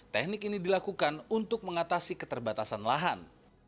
teknik ini dilakukan untuk mengatasi keterbatasan lahan